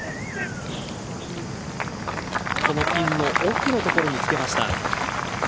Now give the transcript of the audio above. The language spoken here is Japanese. このピンの奥のところにつけました。